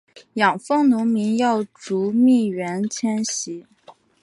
养蜂农民要逐蜜源迁徙